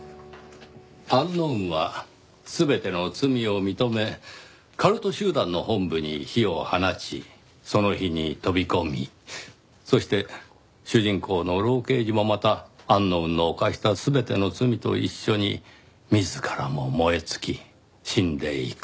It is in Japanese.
アンノウンは全ての罪を認めカルト集団の本部に火を放ちその火に飛び込みそして主人公の老刑事もまたアンノウンの犯した全ての罪と一緒に自らも燃え尽き死んでいく。